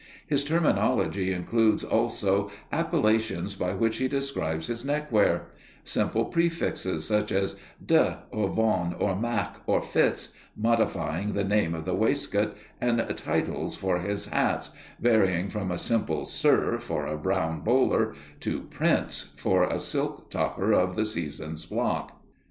His terminology includes also appellations by which he describes his neckwear simple prefixes, such as "de" or "von" or "Mac" or "Fitz," modifying the name of the waistcoat, and titles for his hats, varying from a simple "Sir" for a brown bowler to "Prince" for a silk topper of the season's block.